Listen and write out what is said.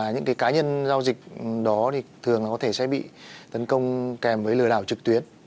những cá nhân giao dịch đó thường có thể bị tấn công kèm với lừa đảo trực tuyến